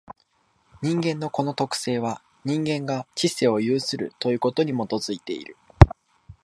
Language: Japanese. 人間のこの特性は、人間が知性を有するということに基いている。